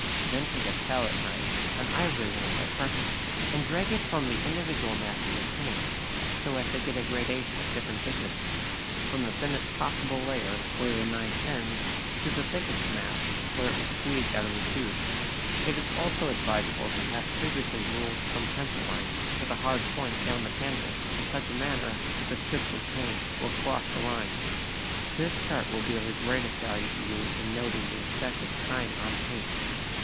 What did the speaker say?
Then take a palette knife, an ivory one by preference, and drag it from the individual masses of paint so as to get a gradation of different thicknesses, from the thinnest possible layer where your knife ends to the thick mass where it was squeezed out of the tube. It is also advisable to have previously ruled some pencil lines with a hard point down the canvas in such a manner that the strips of paint will cross the lines. This chart will be of the greatest value to you in noting the effect of time on paint.